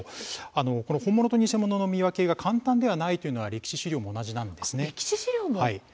本物と偽物の見分けが簡単ではないのは歴史資料も同じです。